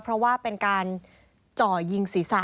เพราะว่าเป็นการจ่อยิงศีรษะ